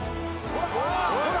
ほら！